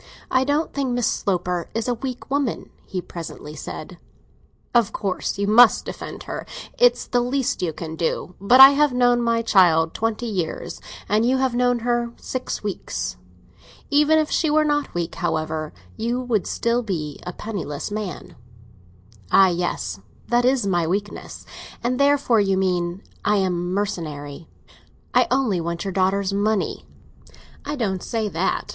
"I don't think Miss Sloper is a weak woman," he presently said. "Of course you must defend her—it's the least you can do. But I have known my child twenty years, and you have known her six weeks. Even if she were not weak, however, you would still be a penniless man." "Ah, yes; that is my weakness! And therefore, you mean, I am mercenary—I only want your daughter's money." "I don't say that.